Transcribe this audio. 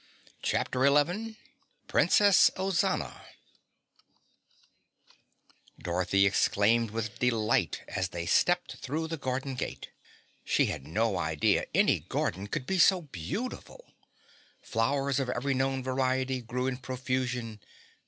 CHAPTER 11 Princess Ozana Dorothy exclaimed with delight as they stepped through the garden gate. She had no idea any garden could be so beautiful. Flowers of every known variety grew in profusion.